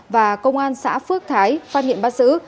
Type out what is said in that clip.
và công an xã phước thái phát hiện bắt giữ